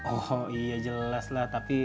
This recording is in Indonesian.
oh iya jelas lah tapi